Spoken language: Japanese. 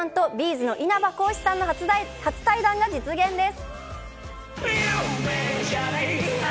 ’ｚの稲葉浩志さんの初対談が実現です。